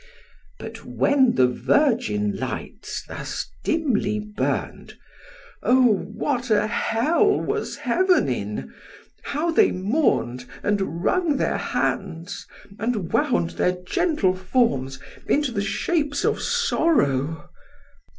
But when the virgin lights thus dimly burn'd, O, what a hell was heaven in! how they mourn'd, And wrung their hands, and wound their gentle forms Into the shapes of sorrow!